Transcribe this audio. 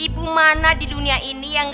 ibu mana di dunia ini yang benci sama romana